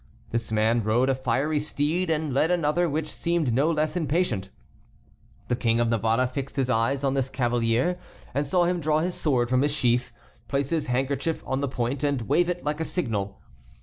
This man rode a fiery steed and led another which seemed no less impatient. The King of Navarre fixed his eyes on this cavalier and saw him draw his sword from his sheath, place his handkerchief on the point, and wave it like a signal.